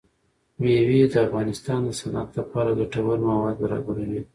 مېوې د افغانستان د صنعت لپاره ګټور مواد برابروي.